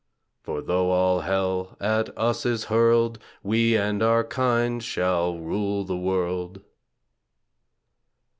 For though all hell at us is hurled, We and our kind shall rule the world!